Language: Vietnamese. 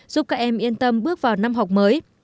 giúp các em yên tâm bước vào năm học mới